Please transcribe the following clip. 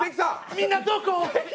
みんなどこ？